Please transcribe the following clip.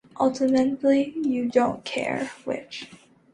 Ultimately, you don't care which.